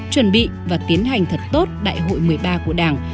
chuẩn bị và tiến hành thật tốt đại hội một mươi ba của đảng